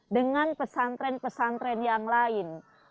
dengan pesantren pesantren yang lain